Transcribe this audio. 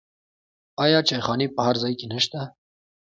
آیا چایخانې په هر ځای کې نشته؟